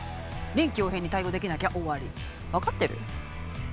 臨機応変に対応できなきゃ終わり分かってる？